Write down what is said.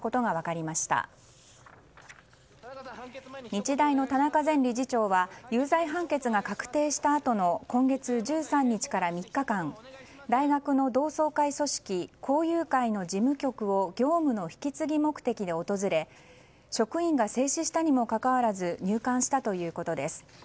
日大の田中前理事長は有罪判決が確定したあとの今月１３日から３日間大学の同窓会組織校友会の事務局を業務の引継ぎ目的で訪れ職員が制止したにもかかわらず入館したということです。